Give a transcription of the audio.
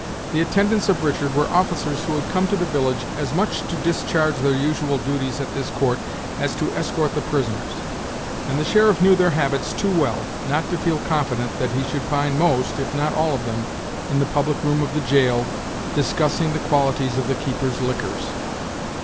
The attendants of Richard were officers who had come to the village, as much to discharge their usual duties at this court, as to escort the prisoners and the sheriff knew their habits too well, not to feel confident that he should find most, if not all of them, in the public room of the jail, discussing the qualities of the keeper's liquors.